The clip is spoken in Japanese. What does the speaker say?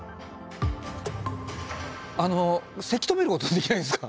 せき止めることはできないんですか？